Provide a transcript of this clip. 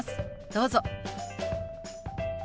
どうぞ。